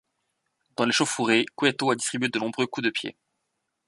Dans l'échauffourée, Cueto a distribué nombre de coups de pied.